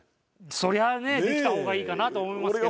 そりゃあねできた方がいいかなと思いますけど。